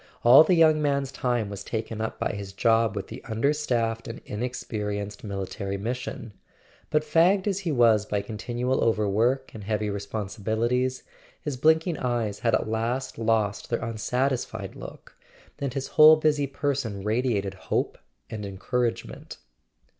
All the young man's time was taken up by his job with the understaffed and inexperienced Military Mission; but fagged as he was by continual overwork and heavy responsibilities, his blinking eyes had at last lost their unsatisfied look, and his whole busy person radiated hope and encouragement.